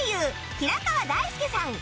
平川大輔さん